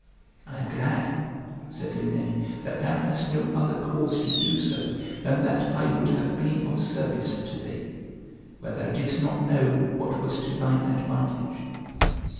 "I am glad," said Luned, "that thou hast no other cause to do so than that I would have been of service to thee, where thou didst not know what was to thine advantage.